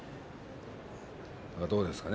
どうですかね。